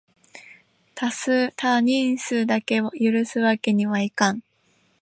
多人数だけは許すわけにはいかん！